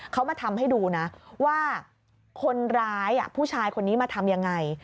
เขามาทำให้ดูนะว่าคนร้ายผู้ชายคนนี้มาทำยังไง